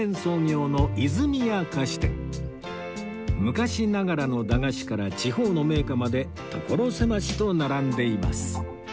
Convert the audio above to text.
昔ながらの駄菓子から地方の銘菓まで所狭しと並んでいます